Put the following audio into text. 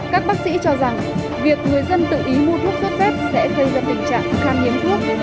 các bác sĩ cho rằng việc người dân tự ý mua thuốc sốt z sẽ gây ra tình trạng khám hiếm thuốc